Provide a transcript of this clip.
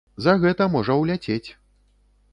За гэта можа ўляцець.